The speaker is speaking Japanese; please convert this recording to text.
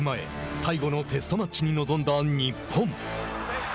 最後のテストマッチに臨んだ日本。